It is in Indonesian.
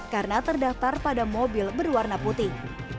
karena terdaftar pada mobil berwarna putih